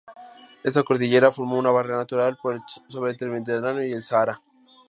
Esta cordillera forma una barrera natural entre el Mediterráneo y el Sáhara.